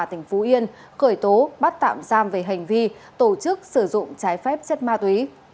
thành phố yên cởi tố bắt tạm giam về hành vi tổ chức sử dụng trái phép chất ma túy